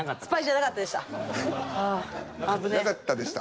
「なかったでした」。